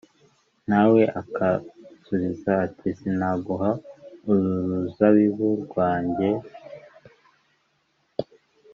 Na we akansubiza ati ‘Sinaguha uruzabibu rwanjye